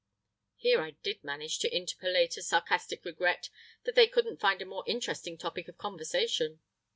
Here I did manage to interpolate a sarcastic regret that they couldn't find a more interesting topic of conversation!